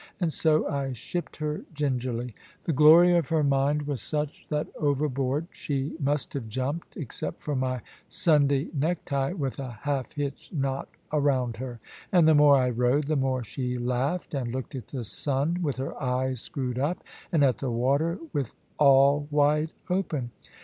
And so I shipped her gingerly. The glory of her mind was such that overboard she must have jumped, except for my Sunday neck tie with a half hitch knot around her. And the more I rowed the more she laughed, and looked at the sun with her eyes screwed up, and at the water with all wide open.